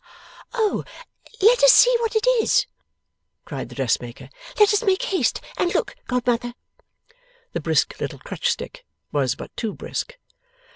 'Let us see what it is,' cried the dressmaker. 'Let us make haste and look, godmother.' The brisk little crutch stick was but too brisk.